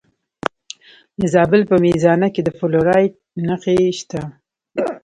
د زابل په میزانه کې د فلورایټ نښې شته.